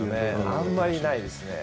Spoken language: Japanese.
あまりないですね。